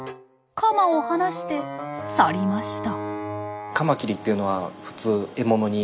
カマを離して去りました。